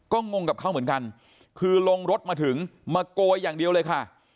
ก็งงกับเขาเหมือนกันคือลงรถมาถึงมาโกยอย่างเดียวเลยค่ะ